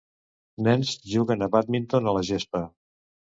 Nens juguen a bàdminton a la gespa.